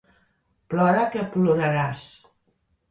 Plora que ploraràs.